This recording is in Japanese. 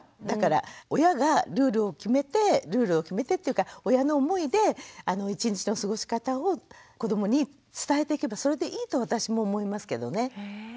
だから親がルールを決めてルールを決めてっていうか親の思いで一日の過ごし方を子どもに伝えていけばそれでいいと私も思いますけどね。